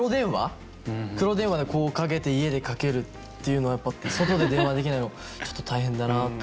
黒電話でこうかけて家でかけるっていうのはやっぱ外で電話できないのはちょっと大変だなと思って。